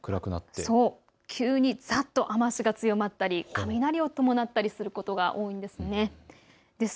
急にざっと雨足が強まったり雷を伴ったすることが多いんです。